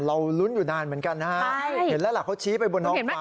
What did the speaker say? ลุ้นอยู่นานเหมือนกันนะฮะเห็นแล้วล่ะเขาชี้ไปบนท้องฟ้า